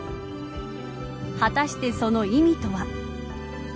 果たしてその意味とは。